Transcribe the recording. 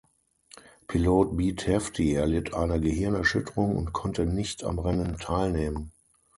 Pilot Beat Hefti erlitt eine Gehirnerschütterung und konnte nicht am Rennen teilnehmen.